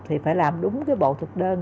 thì phải làm đúng bộ thực đơn